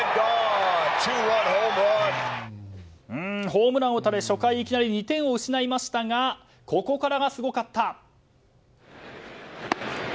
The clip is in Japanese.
ホームランを打たれ初回いきなり２点を失いましたがここからがすごかった！